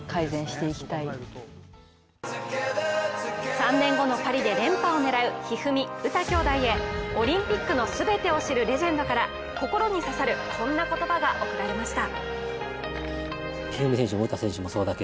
３年後のパリで連覇を狙う一二三・詩兄妹へオリンピックの全てを知るレジェンドから心に刺さる、こんな言葉が送られました。